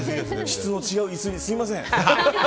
質の違う椅子に、すみません。